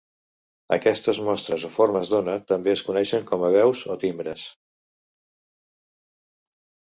Aquestes mostres o formes d'ona també es coneixen com a veus o timbres.